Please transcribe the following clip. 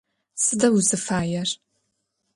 Сыда узыфаер?